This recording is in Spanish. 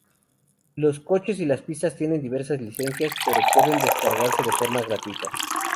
Los coches y las pistas tienen diversas licencias, pero pueden descargarse de forma gratuita.